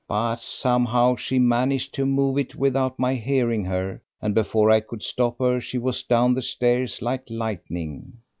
But somehow she managed to move it without my hearing her, and before I could stop her she was down the stairs like lightning.